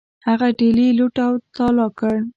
هغه ډیلي لوټ او تالا کړ.